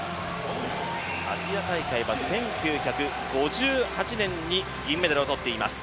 アジア大会は１９５８年に銀メダルをとっています。